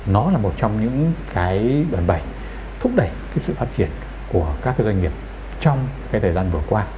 nó là một trong những đoạn bày thúc đẩy sự phát triển của các doanh nghiệp trong thời gian vừa qua